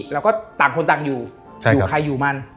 แล้วก็ต่างคนต่างอยู่อยู่ใครอยู่มัน